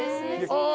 ああ。